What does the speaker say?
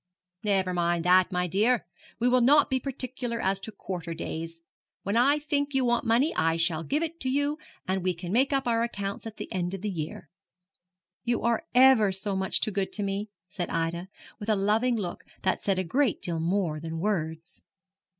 'Never mind that, my dear. We will not be particular as to quarter days. When I think you want money I shall give it to you, and we can make up our accounts at the end of the year.' 'You are ever so much too good to me,' said Ida, with a loving look that said a good deal more than words.